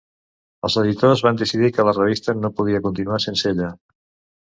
Els editors van decidir que la revista no podia continuar sense ella.